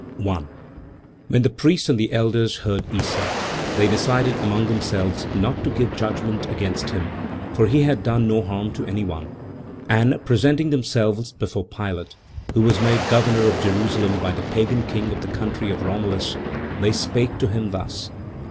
When the priests and the elders heard Issa, they decided among themselves not to give judgment against him, for he had done no harm to any one, and, presenting themselves before Pilate who was made Governor of Jerusalem by the Pagan king of the country of Romeles they spake to him thus: 2.